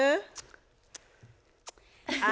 あ？